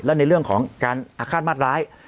และในเรื่องของการอาฆาตมาตร้าย